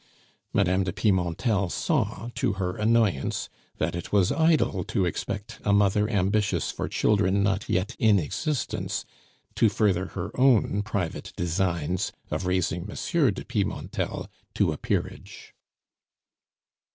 Mme. de Pimentel saw, to her annoyance, that it was idle to expect a mother ambitious for children not yet in existence to further her own private designs of raising M. de Pimentel to a peerage.